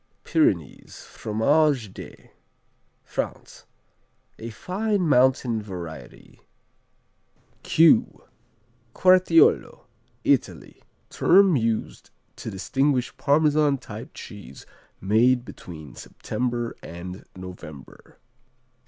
Pyrenees, Fromage des France A fine mountain variety. Q Quartiolo Italy Term used to distinguish Parmesan type cheese made between September and November.